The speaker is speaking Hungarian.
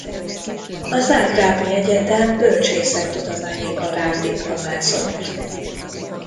A Zágrábi Egyetem Bölcsészettudományi Karán diplomázott.